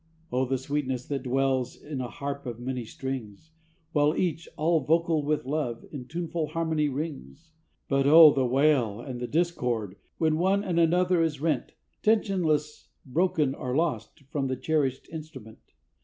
O the sweetness that dwells in a harp of many strings, While each, all vocal with love, in tuneful harmony rings! But O, the wail and the discord, when one and another is rent, Tensionless, broken or lost, from the cherished instrument.